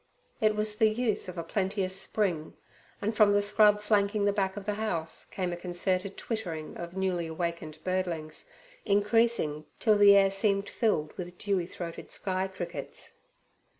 It was the youth of a plenteous spring, and from the scrub flanking the back of the house came a concerted twittering of newly awakened birdlings, increasing till the air seemed filled with dewy throated sky crickets.